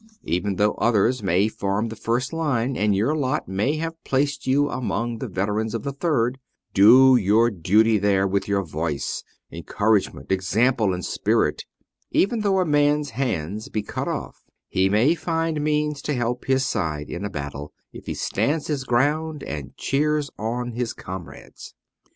Even though others may form the first line, and your lot may have placed you among the veterans of the third, do your duty there with your voice, encourage ment, example, and spirit : even though a man's hands be cut off, he may find means to help his side in a battle, if he stands his ground and cheers on his comrades.